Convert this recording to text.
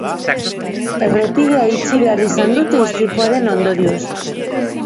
Errepidea itxi behar izan dute istripuaren ondorioz.